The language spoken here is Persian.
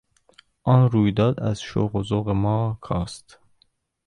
آن رویداد از شوق و ذوق ما کاست.